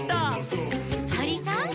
「とりさん！」